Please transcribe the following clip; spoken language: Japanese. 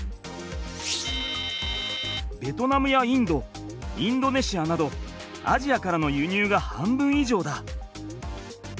ベトナムやインドインドネシアなどアジアからの輸入が半分いじょうだ。